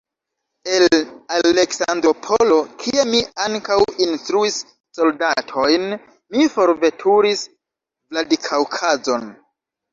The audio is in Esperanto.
El Aleksandropolo, kie mi ankaŭ instruis soldatojn, mi forveturis Vladikaŭkazon.